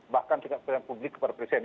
bahkan juga yang publik kepada presiden